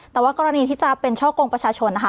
แต่ว่ากรณีที่จะเป็นช่อกงประชาชนนะคะ